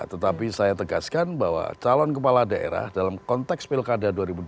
tetapi saya tegaskan bahwa calon kepala daerah dalam konteks pilkada dua ribu dua puluh